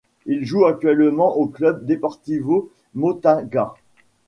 Il joue actuellement au Club Deportivo Motagua.